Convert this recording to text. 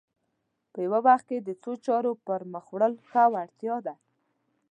په یوه وخت کې د څو چارو پر مخ وړل ښه وړتیا ده